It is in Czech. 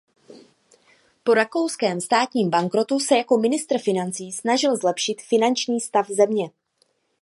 Po rakouském státním bankrotu se jako ministr financí snažil zlepšit finanční stav země.